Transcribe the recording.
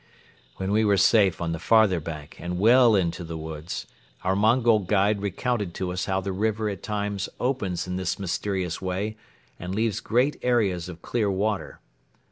When we were safe on the farther bank and well into the woods, our Mongol guide recounted to us how the river at times opens in this mysterious way and leaves great areas of clear water.